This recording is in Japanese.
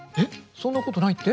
そんなことないって？